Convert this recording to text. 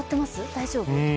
大丈夫。